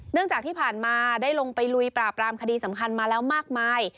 จากที่ผ่านมาได้ลงไปลุยปราบรามคดีสำคัญมาแล้วมากมาย